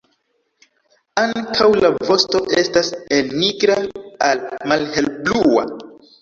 Ankaŭ la vosto estas el nigra al malhelblua.